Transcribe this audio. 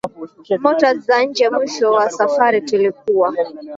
motors za nje mwisho wa safari tulikuwa